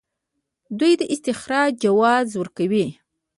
دوی د استخراج جواز ورکوي.